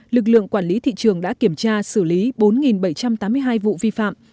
lực lượng quản lý thị trường đã kiểm tra xử lý bốn bảy trăm tám mươi hai vụ vi phạm